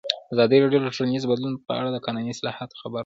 ازادي راډیو د ټولنیز بدلون په اړه د قانوني اصلاحاتو خبر ورکړی.